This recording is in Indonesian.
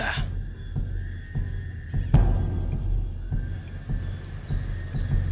tapi kenapa gerbang itu belum terlihat juga